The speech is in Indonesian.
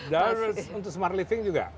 dan untuk smart living juga